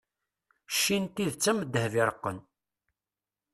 cci n tidet am ddheb iṛeqqen